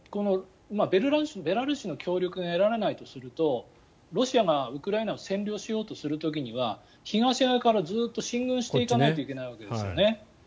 ベラルーシの協力が得られないとするとロシアがウクライナを占領しようとする時には東側からずっと進軍していかないといけないわけですね